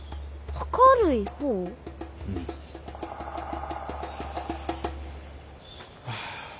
うん。はあ。